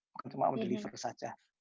bukan cuma mendeliver saja